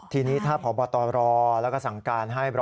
ทีนี้ถ้าพบตรแล้วก็สั่งการให้